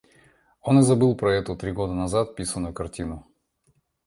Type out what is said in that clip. Он и забыл про эту, три года назад писанную, картину.